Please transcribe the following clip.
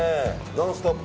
「ノンストップ！」